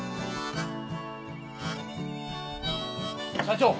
社長！